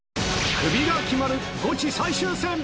クビが決まるゴチ最終戦。